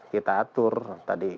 kita atur tadi